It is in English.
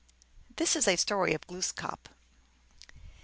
This is a story of Glooskap (P.).